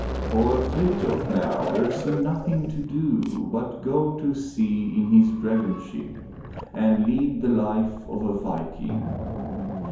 For Frithjof now there seemed nothing to do but go to sea in his dragon ship and lead the life of a Viking.